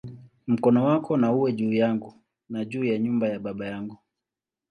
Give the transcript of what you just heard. Mkono wako na uwe juu yangu, na juu ya nyumba ya baba yangu"!